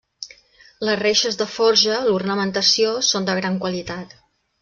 Les reixes de forja, l'ornamentació són de gran qualitat.